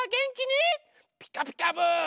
「ピカピカブ！」。